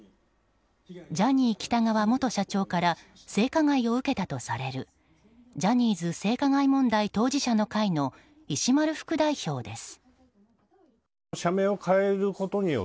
ジャニー喜多川元社長から性加害を受けたとされるジャニーズ性加害問題当事者の会の石丸副代表です。